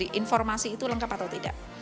di informasi itu lengkap atau tidak